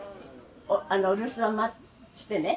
お留守番してね。